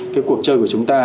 cái cuộc chơi của chúng ta